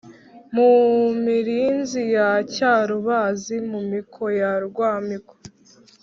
mu mirinzi ya cyarubazi: mu miko ya rwamiko